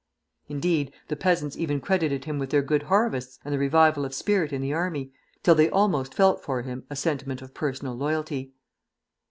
Indeed, the peasants even credited him with their good harvests and the revival of spirit in the army, till they almost felt for him a sentiment of personal loyalty.